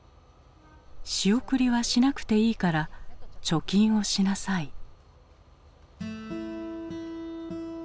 「仕送りはしなくていいから貯金をしなさい」。